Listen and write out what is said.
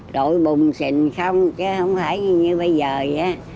đội bùng xình không chứ không phải như bây giờ vậy á